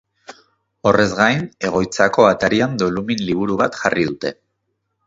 Horrez gain, egoitzako atarian dolumin-liburu bat jarri dute.